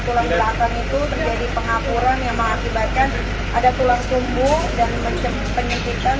tulang belakang itu terjadi pengapuran yang mengakibatkan ada tulang sumbu dan penyekitan